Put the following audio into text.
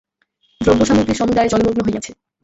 দ্রব্য সামগ্রী সমুদায় জলমগ্ন হইয়াছে।